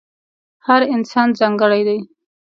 هر انسان ځانګړی دی.